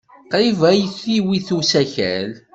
Qrib ay t-iwit usakal.